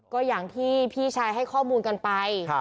ก็อย่างที่พี่ชายให้ข้อมูลกันไป